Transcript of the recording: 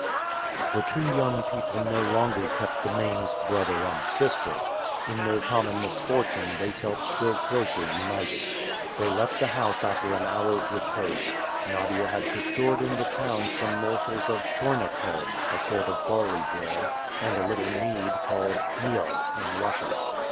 The two young people no longer kept the names "brother" and "sister." In their common misfortune, they felt still closer united. They left the house after an hour's repose. Nadia had procured in the town some morsels of "tchornekhleb," a sort of barley bread, and a little mead, called "meod" in Russia.